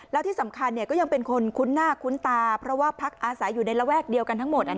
แล้วที่สำคัญก็ยังเป็นคนคุ้นหน้าคุ้นตาเพราะว่าพักอาศัยอยู่ในระแวกเดียวกันทั้งหมด